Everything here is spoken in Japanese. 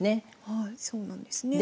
はいそうなんですね。